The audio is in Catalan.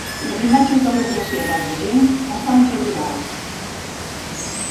Les imatges de l’agressió dels agents es van fer virals.